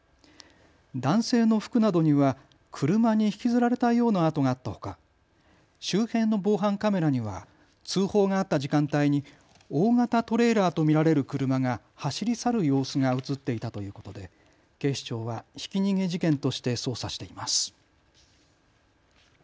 男性の服などには車に引きずられたような跡があったほか周辺の防犯カメラには通報があった時間帯に大型トレーラーと見られる車が走り去る様子が写っていたということで警視庁はひき逃げ事件として捜査しています。